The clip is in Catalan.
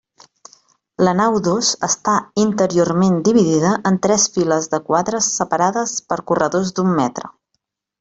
La nau dos està interiorment dividida en tres files de quadres separades per corredors d'un metre.